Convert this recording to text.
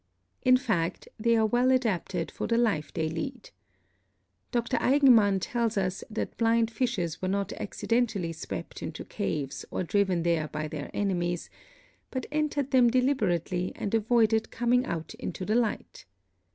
In fact, they are well adapted for the life they lead. Dr. Eigenmann tells us that Blind Fishes were not accidentally swept into caves or driven there by their enemies, "but entered them deliberately and avoided coming out into the light."